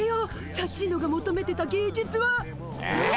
サッチーノがもとめてた芸術は！えっ？